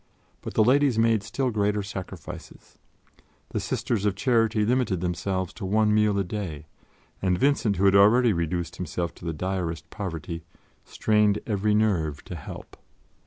But the Ladies made still greater sacrifices; the Sisters of Charity limited themselves to one meal a day, and Vincent, who had already reduced himself to the direst poverty, strained every nerve to help.